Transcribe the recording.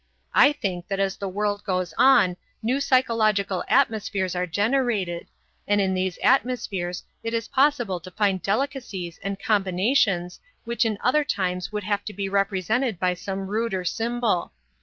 I think that as the world goes on new psychological atmospheres are generated, and in these atmospheres it is possible to find delicacies and combinations which in other times would have to be represented by some ruder symbol.